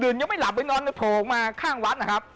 ดึงยังไม่หลับโผล่มาข้างวัดนะครับ